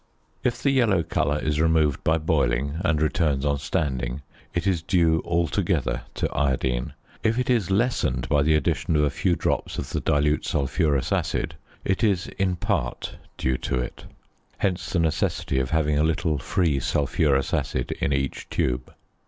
If the yellow colour is removed by boiling and returns on standing it is due altogether to iodine; if it is lessened by the addition of a few drops of the dilute sulphurous acid, it is in part due to it. Hence the necessity of having a little free sulphurous acid in each tube.